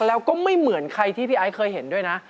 แล้วก็ไม่เหมือนใครที่พี่ไอซ์เคยเห็นด้วยนะ